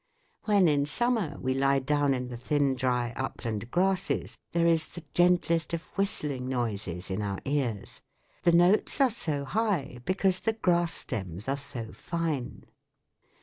When in summer we lie down in the thin dry upland grasses there is the gentlest of whistling noises in our ears : the notes are so high because the grass stems are so fine.